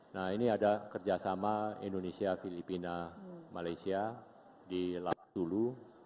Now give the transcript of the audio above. nah ini ada kerjasama indonesia filipina malaysia di tulu